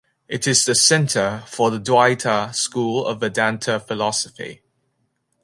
It is the center for the Dwaitha school of Vedanta philosophy.